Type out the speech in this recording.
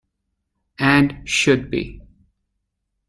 And should be.